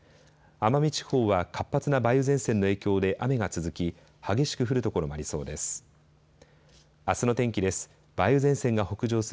奄美地方は活発な梅雨前線の影響で雨が続き、激しく降る所もありそうです。